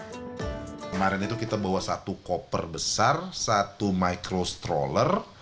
kemarin itu kita bawa satu koper besar satu micro stroller